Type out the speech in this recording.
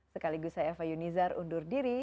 sekaligus saya fahyul nizar undur diri